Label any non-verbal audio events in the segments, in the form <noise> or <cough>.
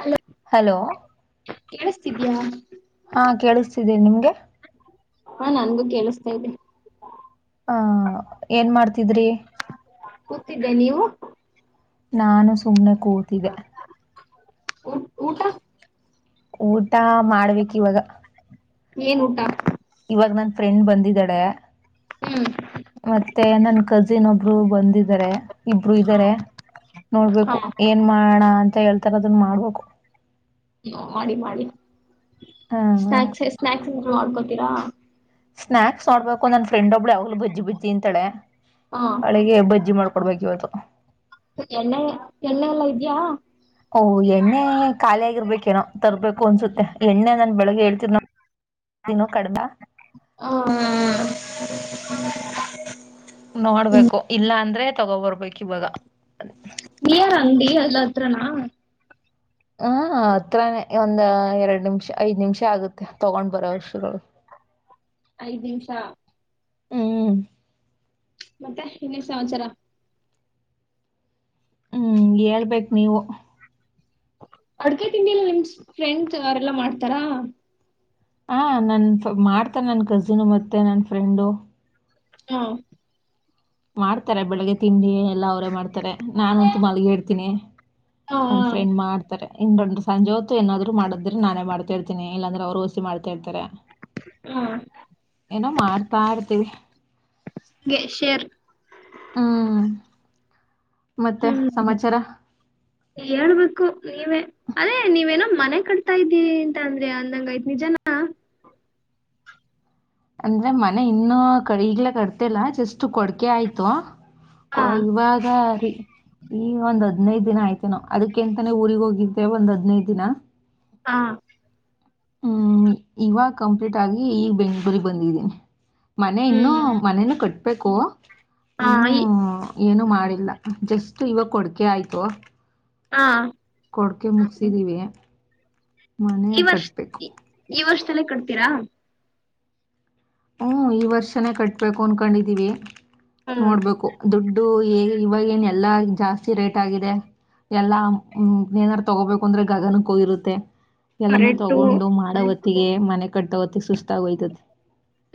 Hello hello ಕೇಳಿಸತಿದ್ಯಾ ಹಾಂ ಕೇಳಿಸ್ತಿದೆ ನಿಮಗೆ ಹಾ ನನ್ಗೂ ಕೇಳಸ್ತಾ ಇದ್ದೆ ಹ ಏನ್ ಮಾಡ್ತಿದ್ರಿ ಕೂತಿದ್ದೆ ನೀವು ನಾನು ಸುಮ್ಮ್ನೆ ಕೂತಿದೆ ಊ ಊಟ ಊಟ ಮಾಡ್ಬೇಕ ಇವಾಗ ಏನ್ ಊಟ ಇವಾಗ ನನ್ ಫ್ರೆಂಡ್ ಬಂದಿದ್ದಳ ಹ್ಮ್ ಮತ್ತೆ ನನ್ ಕಜಿನ್ ಒಬ್ರು ಬಂದಿದ್ದಾರೆ ಇಬ್ರು ಇದ್ದಾರೆ ಹಾ ನೋಡ್ಬೇಕು ಏನ್ ಮಾಡೋಣ ಅಂತ ಹೇಳ್ತ ಈ ತರದನ್ನ ಮಾಡ್ಬೇಕು ಹ ಮಾಡಿ ಮಾಡಿ ಸ್ನಾಕ್ಸ್ ಸ್ಕ್ಸ್ ಮಾಡ್ಕೊಡಿ ರಾ ಸ್ನಾಕ್ಸ್ ನೋಡ್ಬೇಕು ನನ್ ಫ್ರೆಂಡ್ ಒಬ್ಳುಅವ್ಳು ಬಜ್ಜಿ ಬಜ್ಜಿ ಅಂತಳೆ ಹಾ ಹಳೆಗೆ ಬಜ್ಜಿ ಮಾಡ್ಕೊ ಕೊಡ್ಬೇಕಿವತ್ತು ಎಣ್ಣೆ ಎಣ್ಣೆ ಎಲ್ಲಾ ಇದ್ಯಾ ಓಹ ಎಣ್ಣೆ ಖಾಲಿ ಆಗಿರ್ಬೇಕೇನೋ ತರ್ಬೇಕು ಅನ್ಸುತ್ತೆ ಎಣ್ಣೆ ನಾನ್ ಬೆಳಗ್ಗೆ ಹೇಳ್ತರ್ ದಿನೋ ಕಡಮ ಹ <unintelligible> ಹ್ಮ್ ನೋಡ್ಬೇಕು ಇಲ್ಲ ಅಂದ್ರೆ ತಗೋಬರ್ಬೇಕು ಇವಾಗ ನಿಯರ್ ಅಂಗಡಿ ಅಲ್ಲ ಅತ್ರನಾ ಹಾ ಹತ್ರಾನೇ ಒಂದ ಎರಡ್ ನಿಮಿಷ ಐದ್ ನಿಮಿಷ ಆಗುತ್ತೆ ತಗೊಂಡ್ ಬರೋ ವಸ್ಟ ಐದ್ ನಿಮ್ಸಾ ಹ್ಮ್ ಮತ್ತೆ ಇನ್ನೇನು ಸಮಾಚಾರ ಹ್ಮ್ ಹೇಳ್ಬೇಕ್ ನೀವು. ಅಡ್ಗೆೆ ತಿಂಡಿ ಎಲ್ಲ ನಿಮ ಫ್ರೆಂಡ್ ಅವರೆಲ್ಲಾ ಮಾಡ್ತಾರಾ. ಹ ನನ್ ಮಾಡ್ತ ನನ್ ಕಜಿನ್ ಮತ್ತೆ ನನ್ ಫ್ರೆಂಡು. ಹಾ. ಮಾಡ್ತಾರೆ ಬೆಳಗ್ಗೆ ತಿಂಡಿ ಎಲ್ಲ ಅವರೇ ಮಾಡ್ತಾರೆ ನಾನುಂತು ಮಲ್ಗೀರ್ತೀನಿ. ಹ ನನ್ ಫ್ರೆಂಡ್ ಮಾಡ್ತಾರೆ. ಇಂದೊಂದ್ ಸಂಜೆ ಹೊತ್ತು ಏನಾದ್ರು ಮಾಡಿದ್ರೆ ನಾನೇ ಮಾಡ್ತಾ ಇತನಿ ಇಲ್ಲಾಂದ್ರೆ ಅವರು ಹೊಸಿ ಮಾಡ್ತಾ ಇರ್ತಾರೆ. ಹ ಹ ಏನೋ ಮಾಡ್ತಾ ಇರ್ತೀವಿ. ಶೇರ್ ಹ್ಮ. ಹ್ಮ್ ಹೇಳ್ಬೇಕು ನೀವೇ. ಅದೇ ನೀವೇನೋ ಮನೆ ಕಟ್ತಾ ಇದ್ದಿ ಅಂತ ಅಂದ್ರೆ ಅಂದಂಗ ಐದ್ ನಿಜನ. ಅಂದ್ರೆ ಮನೆ ಇನ್ನುೂ ಕ ಈಗ್ಲ ಕಟ್ಟಿಲ್ಲ ಇಲ್ಲ ಜಸ್ಟ್ ಕೊಡ್ಕೆ ಆಯ್ತು. ಹಾ ಇವಾಗ ರೀ ಈ ಒಂದ. ಹದ್ನೈದು ದಿನ ಆಯ್ತೆ ನಾ ಅದಕ್ಕೆ ಎಂತಾನೇ ಊರಿಗೆಗ್ ಹೋಗಿದ್ದೆ ಒಂದ್ ಹದಿನೈದು ದಿನ. ಹ. ಹ್ಮ್ ಇವಾಗ ಕಂಪ್ಲೀಟ್ ಆಗಿ ಈ ಬೆಂಗ್ಗಳೂರಿಗೆ ಬಂದಿದ್ದೀನಿ. ಮನೆ ಇನ್ನುೂ ಹ್ಮ್ ಮನೇನು ಕಟ್. ಬೇಕು. ಹಾ ಇನ್ನುೂ ಈ ಏನು ಮಾಡಿಲ್ಲ ಜಸ್ಟ್ ಇವಾಗ ಕೊಡ್ಕೆ ಆಯ್ತು. ಹಾ ಕೊಡ್ಕೆ ಮುಗಸಿದೀವಿ. ಈ ವರ್ಷ ಈ ವರ್ಷ. ಇಷ್ಟ್ರಲ್ಲೇ ಕಡ್ತೀರಾ. ಹ್ಮ್ ಈ ವರ್ಷನೇ ಕಟ್ಬೇಕು ಅನ್ಕೊಂಡಿದ್ದೀವಿ. ಹ್ಮ್ ನೋಡ್ಬೇಕು ದುಡ್ಡು ಹೇಗೆ ಇವಾಗ ಎನ್. ಎಲ್ಲಾ ಜಾಸ್ತಿ ರೇಟ್ ಆಗಿದೆ ಎಲ್ಲಾ ಏನಾರು ತಗೋಬೇಕು ಅಂದ್ರೆ ಗಗನಕ್ಕೂಗಿರುತ್ತೆ. ಎಲ್ಲಾನ ಕರೆಂಟು ತಗೊಂಡು ಮಾಡವ. ಮನೆ ಕಟ್ಟತವತ್ತಗೆ ಸುಸ್ತಾಗೋಯ್ತದೆ.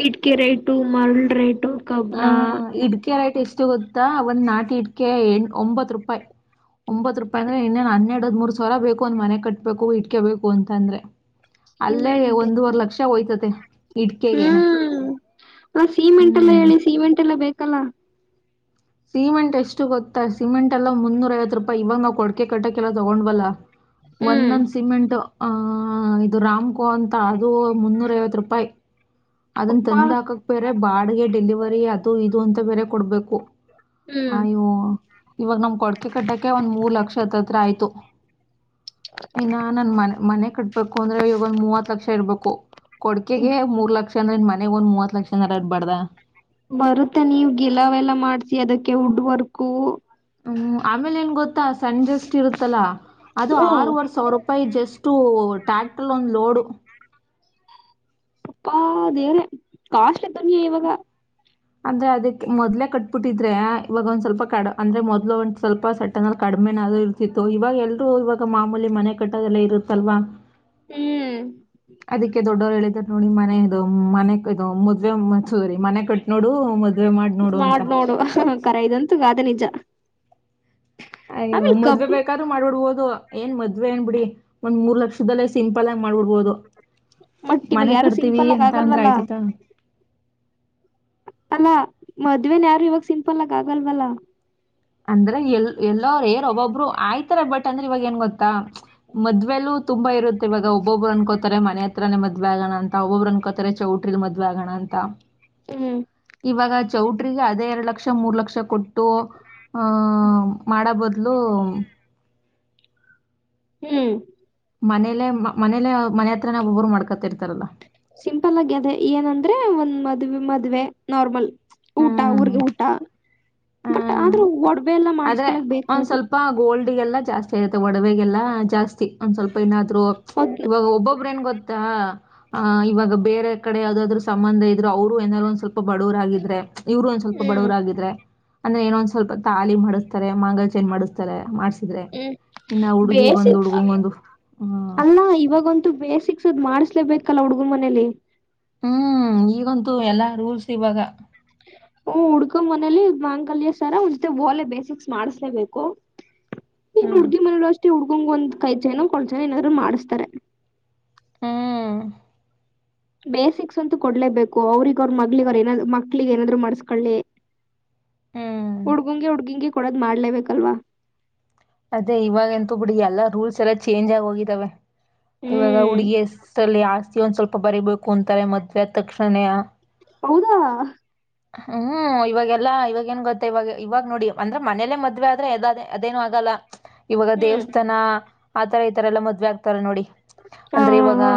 ಇಟ್ಗೆ ರೇಟು ಮರಳ ರೇಟ್. ಕಬ್ನ. ಇಟ್ಗೆ ರೈಟ್ ಎಷ್ಟು ಗೊತ್ತಾ ಒಂದ್ ನಾಟಿ ಇಟ್ಕೆ ಎ ಒಂಬತ್ ರೂಪಾಯಿ ಒಂಬತ್ ರೂಪಾಯಿ ಅಂದ್ರೆ ಇನ್ನೇನ್ ಹನ್ನೆರಡ್ ಹದ್ ಮೂರ್ ಸಾವಿರ ಬೇಕು ಒಂದ್ ಮನೆ ಕಟ್ಬೇಕು ಇಟ್ಕೆ ಬೇಕು ಅಂತ ಅಂದ್ರೆ. ಅಲ್ಲೇ ಸಿಮೆಂಟ್ ಒಂದೂವರೆ ಲಕ್ಷ ಹೋಯ್ತತಿ. <unintelligible> ಹ್ಮ್ ನ ಸೀಮೆಂಟ್ ಎಲ್ಲ ಹ್ಞೂ ಹೇಳಿ ಸೀಮೆಂಟ್. ಟೆಲ್ಲಾ ಬೇಕಲ್ಲ. ಸಿಮೆಂಟ್ ಎಷ್ಟು ಗೊತ್ತಾ ಸಿಮೆಂಟ್ ಎಲ್ಲ ಮುನ್ನೂರ ಐವತ್ತು ರೂಪಾಯಿ ಇವಾಗ ನಾವ್ ಕೊಡ್ಕೆ ಕಟ್ಟಕ್ಕೆೆಲ್ಲ ತೊಗೊಂಡ್ಬಲ್ಲಾ. ಹ್ಮ್ ಒಂದೊಂದ ಸಿಮೆಂಟ್ ಆ ಇದು ರಾಮ್ಕೋ ಅಂತ ಅದು ಮುನ್ನೂರ ಐವತ್ ರೂಪಾಯಿ ಅದನ್ನ ಅಪ್ಪಾ ತಂದ ಹಾಕಕ್ ಬೇರ ಬಾಡ್ಗೆ ಡೆಲಿವರಿ ಅದು ಇದು ಅಂತ ಬೇರೆ ಕೊಡ್ಬೇಕು ಹ್ಮ್ ಅಯೋ ಇವಾಗ ನಮ್ ಕೊಡ್ಕೆ ಕಟ್ಟಕ್ಕೆ ಒಂದ್ ಮೂರ್ ಲಕ್ಷ ಹತ್ತತ್ರ ಆಯ್ತು ಇನ್ನ ನನ್ ಮನೆ ಮನೆ ಕಟ್ಬೇಕು ಅಂದ್ರೆ ಈಗೊಂದ್ ಮೂವತ್ ಲಕ್ಷ ಇರ್ಬೇಕು ಕೊಡ್ಕೆಗೆ ಮೂರ್ ಲಕ್ಷ ಂದ್ರನ್ ಮನೆಗ್ ಒಂದ್ ಮೂವತ್ ಲಕ್ಷನರ ಇಡ್ಬಾರ್ದ ಬರುತ್ತೆ ನೀವು ಗಿಲಾವೆಲ್ಲ ಮಾಡ್ಸಿ ಅದಕ್ಕೆ ವುಡ್ ವರ್ಕು ಹ್ಮ್ ಆಮೇಲೆ ಏನ್ ಗೊ ಸಜಸ್ಟ್ ಇರುತ್ತಲ್ಲಾ ಅದು ಹ್ಮ್ ಆರವರೆ ಸಾವಿರ ರೂಪಾಯಿ ಜಸ್ ಎಷ್ಟು ಟ್ಯಾಕ್ಟರ್ ಒಂದು ಲೋಡು ಅಪ್ಪಾ ದೇವರೆ ಕಾಸ್ಟ್ಲಿ ದುನಿಯಾ ಇವಾಗ ಅಂದ್ರೆ ಅದಕ್ಕೆ ಮೊದ್ಲೆೇ ಕಟ್ಬಿಟ್ಟಿದ್ರೆ ಇವಾಗ ಒಂದ್ ಸ್ವಲ್ಪ ಕಾ ಅಂದ್ರೆ ಮೊದ್ಲು ಒಂಟ ಸ್ವಲ್ಪ <unintelligible> ಕಡಿಮೆನಾದು ಇದು ಆತಿತ್ತು ಇವಾಗ ಎಲ್ರುೂ ಇವಾಗ ಮಾಮೂಲಿ ಮನೆ ಕಟ್ಟದೆಲ್ಲ ಇರುತ್ತಲ್ವಾ ಹ್ಮ್ ಅದಕ್ಕೆ ದೊಡ್ಡವ್ರು ಹೇಳಿದಾರ ನೋಡಿ ಮನೆ ಮನೆ ಇದು ಮದ್ೆ ಮ ಸೂರಿ ಮನೆ ಕಟ್ ನೋಡು ಮದ್ ಮಾಡ್ ನೋಡು ಕರ ಇದಂತು ಗಾದೆ ನಿ <unintelligible> ಅಯ್ಯೋ ಮದ್ವೆ ಬೇಕಾದ್ರರು ಮಾಡ್ಬಿಡ್ಬೋದು ಏನ್ ಮದ್ವೆ ಏನ್ ಬಿಡಿ ಒಂದ್ ಮೂರ್ ಲಕ್ಷದಲ್ಲೇ ಸಿಂಪಲ್ ಆಗಿ ಮಾಡ್ಬಿಡ್ಬೋದು ಬಟ್ ಇವಾಗ ಮನೆ ಯಾರು ಕಡ್ತೀವಿ ಸಿಂಪಲ್ ಆಗ ಎಂತ ಅಂದ್ರ ಆಗಲ್ವಲ್ಲ ಆಯ್ತತ್ತಾ ಅಲ್ಲಾ ಮದ್ವೆನ ಯಾರು ಇವಾಗ ಸಿಂಪಲ್ ಆಗ ಆಗಲ್ವಲ್ಲ ಅಂದ್ರೆ ಎಲ್ ಎಲ್ಲೋ ರೇರ್ ಒಬ್ೊಬ್ರು ಆಯ್ತಾರೆ ಬಟ್ ಅಂದ್ರೆ ಇವಾಗ ಏನ್ ಗೊತ್ತಾ ಮದ್ವೊಲೂ ತುಂಬಾ ಇರುತ್ತೆ ಇವಾಗ ಒಬ್ಬೊಬ್ರು ಅನ್ಕೋತಾರೆ ಮನೆ ಹತ್ರನೇ ಮದ್ವೆ ಆಗಣ ಅಂತ ಒಬ್ಬೊಬ್್ರರು ಅನ್ಕೋತಾರೆ ಚೌಟ್ರಿಲ್ ಮದ್ವೆ ಆಗೋಣ ಅಂತ ಹ್ಮ್ ಇವಾಗ ಚೌಟ್ರಿಗೆ ಅದೇ ಎರಡ್ ಲಕ್ಷ ಮೂರ್ ಲಕ್ಷ ಕೊಟ್ಟ ಟ್ಟೋ ಹಾ ಮಾಡೋ ಬದಲು ಹ್ಮ್ ಮನೇಲೆ ಮನೇಲೆ ಮನೆ ಹತ್ರ ಒಬ್ಬ ಒಬ್ಬರು ಮಾಡ್ಕೊತಿರ್ತಾರಲ್ಲ ಸಿಂಪಲ್ ಆಗಿ ಅದೇ ಏನಂದ್ರೆ ಒಂದ್ ಮದ್ೆ ಮದ್ವೆ ನಾರ್ಮಲ್ ಊಟ ಹ್ಮ್ ಊರ್ರಿಗೆ ಊಟ ಬಟ್ ಹ್ಮ್ ಆದ್ರೆ ಒಡ್ ಆದ್ರೆ ಒಂದ್ ಸ್ವಲ್ಪ ಗೋಲ್ಡ್ಗೆಲ್ಲ ಜಾಸ್ತಿ ಆಗರುತ್ತೆ ಒಡವೆಗೆಲ್ಲ ಜಾಸ್ತಿ ಒಂದ್ ಸ್ವಲ್ಪ ಏನಾದ್ರು ಅದ್ ಇವಾಗ ಒಬ್ಬೊಬ್ಬ್ರ ನ್ ಗೊತ್ತಾ ಆ ಇವಾಗ ಬೇರೆ ಕಡೆ ಯಾವ್ದಾದ್ರು ಸಂಬಂಧ ಇದ್ರು ಅವರು ಏನಾದಾರರು ಒಂದ್ ಸ್ವಲ್ಪ ಸ್ವಲ್ಪ ಬಡವರಾಗಿದ್ರೆ ಇವ್ರು ಒಂದ್ ಸ್ವಲ್ಪ ಹ್ಮ್ ಬಡವರಾಗಿದ್ರೆ ಅಂದ್ರ ಏನೊಂದ ಸ್ವಲ್ಪ ತಾಲಿ ಮಾಡಿ ತಾರೆ ಮಾಂಗಾಲಚೆ್ನ ಮಾಡಿಸ್ತಾರೆ ಮಾಡ್ಸಿದ್ರೆ ಹ್ಮ್ ಇನ್ನ ಹುಡ್ಗಿಗ್ ಒಂದು ಬೇಸಿಕ್ ಹುಡ್ಗಂಗೊಂದು ಹ್ಮ್ ಅಲ್ಲ ಇವಾಗಂತು ಬೇಸಿಕ್ಸ್ದು್ ಮಾಡ್ ಬೇಕಲ್ಲ ಹುಡುಗು ಮನಲಿ ಹ್ಮ್ ಈಗಂತೂ ಎಲ್ಲಾ ರೂಲ್ಸ್ ಇವಾಗ ಹ ಹುಡ್ಕ್ ಮನೇಲಿ ಮಾಂಗಲ್ಯ ಸರ ಒಂದ್ ಸ್ವಲ್ಪ ಜೊತೆ ಓಲೆ ಬೇಸಿಕ್ಸ್ ಮಾಡಸ್ಲೇಬೇಕು ಇನ್ ಹ್ಮ್ ಹುಡ್ಗಿ ಮನ ಅಷ್ಟೇ ಹುಡ್ಕಂಗ ಒಂದ್ ಕೈ ಜನ ಕೊಳಚನ ಏನಾದ್ರು ಮಾಡಿಸಸ್ತಾರೆ ಹ್ಮ್ ಬೇಸಿಕ್ಸ್ ಅಂತೂ ಕೊಡ್ಲೇಬೇಕು ಅವ್ರಗ ಅವ್ರ ಮಗ್ಳಗ ಅವ್ ಏನಾದ್ ಮಕ್ಳಿಗೆ ಏನಾದ್ರು ಮಾಡಸ್ಕೊಳ್ಳಿ ಹ್ಮ್ ಹುಡ್ಗುಂಗೆ ಹುಡ್ಗಿಂಗೆ ಕೊಡೋದ್ ಮಾಡ್ಲೇಬೇಕಲ್ವಾ ಅದೇ ಇವಾಗ ಎಂತೂ ಬಿಡಿ ಎಲ್ಲಾ ರೂಲ್ಸ್ ಎಲ್ಲ ಚೇಂಜ್ ಆಗಿ ಹೋಗಿದಾವ ಇವಾಗ ಹ್ಮ್ ಹುಡುಗಿ ಸಲ್ಲಿ ಆ ಒಂದ್ ಸ್ವಲ್ಪ ಬರಿಬೇಕು ಅಂತಾರೆ ಮದ್ವೆೆ ತಕ್ಷಣ ಹೌದಾ ಹ್ಮ್ ಇವಾಗೆಲ್ಲಾ ಇವಾಗೇಏನ್ ಗೊತ್ತ ಇವಾಗ ಇವಾಗ ನೋಡಿ ಅಂದ್ರ ಮನೇಲೆ ಮದ್ವೆ ಆದ್ರೆ ಅದದೇ ಅದೇನು ಆಗಲ್ಲ ಇವಾಗ ಹ್ಮ್ ದೇವಸ್ಥಾನ ಆತರ ಈ ತರ ಎಲ್ಲ ಮದ್ೆ ಆಗ್ತಾರೆ ನೋಡಿ ಹಾ ಅಂದ್ರೆ ಇವಾಗ ಹಾ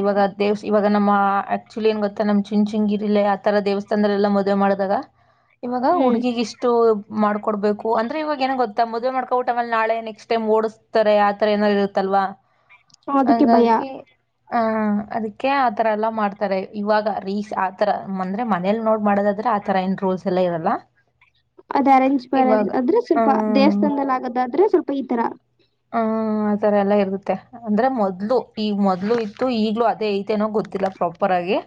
ಇವಾಗ ದೇವಸ್ ಇವ ನಮ್ಮ ಆಕ್ಚುಲಿ ಏನ್ ಗೊತ್ತ ನಮ್ ಚುನ್ಚಿಂಗಿರಿ ಇಲ್ಲಿ ಆ ತರ ದೇವಸ್ಥಾನದಲ್ಲಿ ಎಲ್ಲ ಮದುವೆ ಮಾಡಿದಾಗ ಇವಾಗ ಹ್ಮ್ ಹುಡುಗಿಗ್ ಇಷ್ಟು ಮಾಡ್ಕೊಡ್ಬೇಕು ಅಂದ್ರೆ ಇವಾಗ ಏನ ಗೊತ್ತಾ ಮದ್ವೆ ಮಾಡ್ಕ <unintelligible> ನಾಳೆ ನೆಕ್ಸ್ಟ್ ಟೈಮ್ ತರ ಯಾವತರ ಏನ ಇ ತಲ್ವಾ ಅದಕ್ಕೆ ಭಯ ಹಾಗಾಗಿ ಆ ಹ ಅದಕ್ಕೆ ಆತರ ಎಲ್ಲಾ ಮಾಡ್ತಾರೆ ಇವಾಗ ರೀಸ್ ಆತರ ಅಂದ್ರೆ ಮನೇಲಿ ನೋಡ್ ಮಾಡದಾದ್ರೆ ಆ ತರ ಏನ್ ರೋಲ್ಸ್ ಎಲ್ಲ ಇರಲ್ಲ ಅದ್ ಅರೆಂಜ್ ಬಾರ ಇವಾಗ ಅ್ರೆ ಸ್ವಲ್ಪ ಹ್ಮ್ ದೇವಸ್ಥಾನದಲ್ಲಿ ಆಗೋದಾದ್ರೆ ಸ್ವಲ್ಪ ಈ ತರ ಹ್ಮ ಆತರ ಎಲ್ಲ ಇರತ್ತೆ ಅಂದ್ರೆ ಮೊದ್ಲು ಈಗ ಮೊದ್ಲು ಇತ್ತು ಈಗ್ಲೂ ಅದೇ ಐತೆನೋ ಗೊತ್ತಿಲ್ಲ ಪ್ರಾಪರ್ ಆಗಿ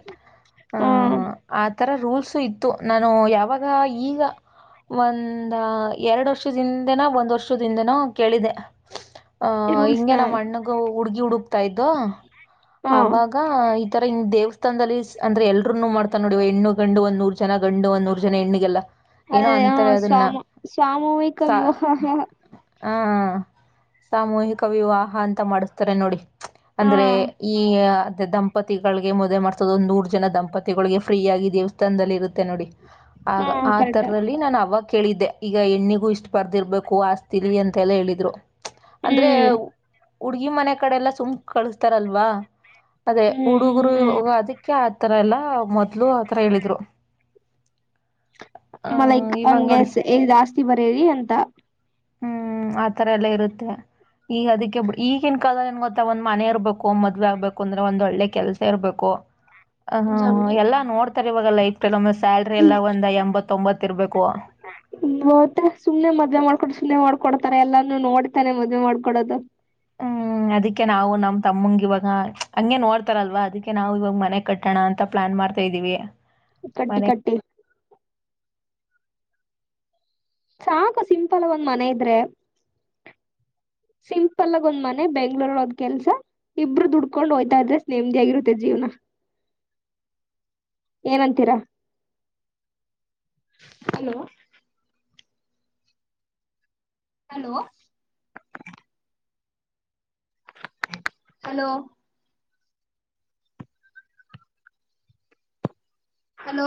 ಹ ಆಹ್ ಆ ತರ ರೂಲ್ಸು ಇತ್ತು ನಾನು ಯಾವಾಗ ಈಗ ಒಂದ ಎರಡು ವರ್ಷದಿಂದನ ಒಂದ್ ವರ್ಷದಿಂದನೋ ಕೇಳಿದೆೆ ಆ್ ರೂಲ್ಸ್ ಹಿಂಗ ನ ನಮ್ಮ ಅಣ್ಣಗ ಹುಡುಗಿ ಹುಡುಕ್ ಇದ್ದೋ ಹ ಅವಾಗ ಈ ತರ ಹಿಂಗ ದೇವಸ್ಥಾನಲ್ಲಿ ಅಂದ್ರ ಎಲ್ರುನು ಮಾಡ್ತ ನೋಡಿವ ಹೆಣ್ಣು ಗಂಡು ಒಂದ್ೂರು ಜ ಗಂಡು ಒಂದ ನೂರು ಜನ ಹೆಣ್ಣಿಗೆಲ್ಲ ಏನೋ ಅದೇ ಹ ಅಂತಾರೆ ಅದನ್ನು ಸ್ಾಮ ಸಾಮೂಹಿಕ ವಿವಾಹ ಹ ಹ ಸಾಮೂಹಿಕ ವಿವಾಹ ಅಂತ ಮಾಡಿಸ್ತಾರೆ ನೋಡಿ ಅಂದ್ರೆ ಹಾ ಈ ಮ ದಂಪತಿಗಳಿಗೆ ಮದ್ವೆ ಮಾಡ್ಸೋದು ಒಂದ್ ನೂರು ಜನ ದಂಪತಿಗಳಿಗೆ ಫ್ರೀ ಆಗಿ ದೇವಸ್ಥಾನದಲ್ ಇರು ತ್ತೆ ನೋಡಿ ಆಗ ಹ್ಮ್ ಆ ಕರೆಕ್ಟ್ ತರಲ್ಲಿ ನಾನ್ ಅವಾಗ್ ಕೇಳಿದ್ದೆ ಈಗ ಹೆಣ್ಣಿಗೂ ಇಷ್ಟ್ ಬರ್ದಿರ್ಬೇಕು ಆಸ್ತಿಲಿ ಅಂತೆಲ್ಲಾ ಹೇಳಿದ್ರು. ಅಂದ್ರೆ ಹ್ಮ್ ಅವ್ ಹುಡ್ಗಿ ಮನೆ ಕಡೆ ಎಲ್ಲಾ ಸುಮ್ ಕಳುಸ್ತಾರಲ್ವಾ ಅದೇ ಹುಡುಗ್ರು ಹ್ಮ್ ಅದಿಕ್ಕೆ ಆ ಆ ತರಲ್ಲ ಮೊದ್ಲು ಆತರ ಹೇಳಿದ್ರು. ಆ ಮ ಲೈಕ್ ಇವಾಗ ನೋಡಿ ಹಂಗಾಸಿ ಜಾಸ್ತಿ ಬರೆರಿ ಅಂತ. ಹ್ಮ್ ಆತರ ಎಲ್ಲ ಇರುತ್ತೆ ಈಗ ಅದಕ್ಕೆ ಈಗಿನ ಕಾಲದಲ್ಲಿ ಏನ್ ಗೊತ್ತ ಒಂದ್ ಮನೆ ಇರ್ಬೇಕು ಮದ್ವೆ ಆಗ್ಬೇಕು ಅಂದ್ರೆ ಒಂದ್ ಒಳ್ಳೆ ಕೆಲ್ಸ ಇರ್ಬೇಕು. ಹ ಜಂಬಿ ಎಲ್ಲಾ ನೋಡ್ತಾರೆ ಇವಾಗ ಲೈಫ್ ಸ್ಟೈಲ್ ಒಮ್ಮ ಸ್ಯಾಲ್ರಿ ಎಲ್ಲಾ ಒಂದ ಎಂಬತ್ತೊಂಬತ್ ಇರ್ಬೇಕು. ಕೊಡ್ತಾರ ಎಲ್ಲಾನು ನೋಡಿತಾನೆ ಮದ್ವೆ ಮಾಡ್ಕೊಡೋದು. ಹ್ಮ್ ಅದಿಕ್ಕೆ ನಾವು ನಮ್ ತಮ್ಮಂಗ ಇವಾಗ ಹಂಗೇನ್ ನೋಡ್ತಾರಲ್ವಾ ಅದಕ್ಕೆ ನಾವು ಇವಾಗ ಮನೆ ಕಟ್ಟೋಣ ಅಂತ ಪ್ಲಾನ್ ಮಾಡ್ತಾ ಇದೀವಿ. ಮನೆ ಕಟ್ಟಿ ಕಟ್ಟಿ ಸಾಕು ಸಿಂಪಲ್ ಆಗ್ ಒಂದ್ ಮನೆ ಇದ್ರೆ ಸಿಂಪಲ್ ಆಗ ಒಂದ್ ಮನೆ ಬೆಂಗ್ಳೂರಲ್ ಒಂದ್ ಕೆಲ್ಸ ಇಬ್ರು ದುಡ್ಕೊಂಡು ಹೋಯ್ತಾ ಇದ್ರೆ ನೆಮ್ದಿ ಆಗಿರುತ್ತೆ ಜೀವನ ಏನಂತೀರ ಹಲೋ ಹಲೋ ಹಲೋ ಹಲೋ